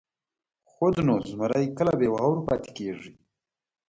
خود نو، زمهریر کله بې واورو پاتې کېږي.